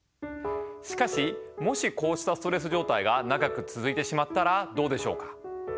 しかしもしこうしたストレス状態が長く続いてしまったらどうでしょうか？